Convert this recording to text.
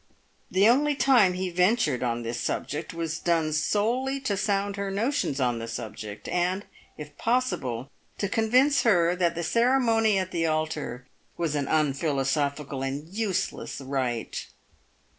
The only time he ventured on this subject was done solely to sound her notions on the subject, and, if possible, to convince her that the ceremony at the altar was an unphilosophical and useless rite.